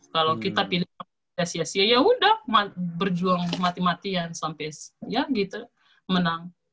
kalau kita pilih sia sia ya udah berjuang mati matian sampai ya gitu menang